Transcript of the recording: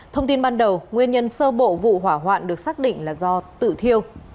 thông tin ban đầu nguyên nhân sơ bộ vụ hỏa hoạn được xác định là do tự thiêu